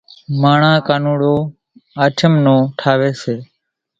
ماڻۿان ڪانوڙو آٺم نو ٺاۿي سي،